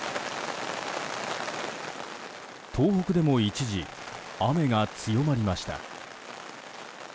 東北でも一時、雨が強まりました。